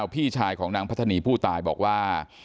พี่ชายของนางพัฒนีผู้ตายบอกว่า